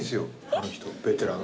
あの人ベテラン。